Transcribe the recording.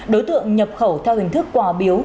đối tượng nhập khẩu theo hình thức quả biếu